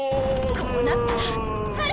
こうなったらはい！